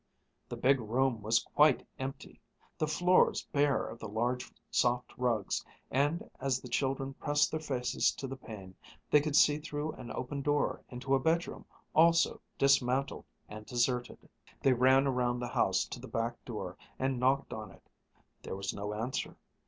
The big room was quite empty, the floors bare of the large soft rugs, and as the children pressed their faces to the pane, they could see through an open door into a bedroom also dismantled and deserted. They ran around the house to the back door and knocked on it. There was no answer.